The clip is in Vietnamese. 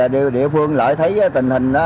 địa phương lại thấy tình hình đó